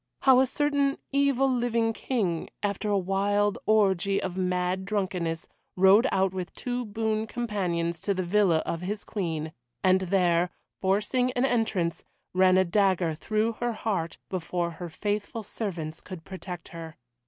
How a certain evil living King, after a wild orgie of mad drunkenness, rode out with two boon companions to the villa of his Queen, and there, forcing an entrance, ran a dagger through her heart before her faithful servants could protect her.